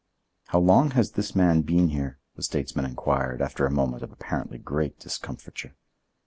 "How long has this man been here?" the statesman inquired, after a moment of apparently great discomfiture.